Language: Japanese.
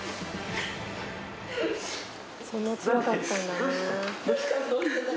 「そんなつらかったんだね」